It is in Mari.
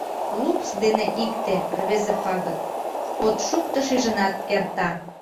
Лупс дене икте рвезе пагыт: от шукто шижынат — эрта.